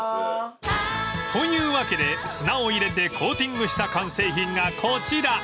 ［というわけで砂を入れてコーティングした完成品がこちら］